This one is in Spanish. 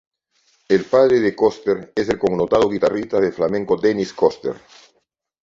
El padre de Koster es el connotado guitarrista de flamenco Dennis Koster.